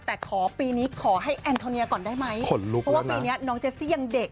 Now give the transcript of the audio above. แต่ขอปีนี้ขอให้แอนโทเนียก่อนได้ไหมเพราะว่าปีนี้น้องเจสซี่ยังเด็ก